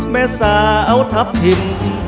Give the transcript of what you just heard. แม่สาวทัพทิม